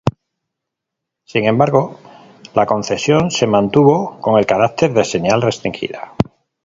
Sin embargo, la concesión se mantuvo con el carácter de señal restringida.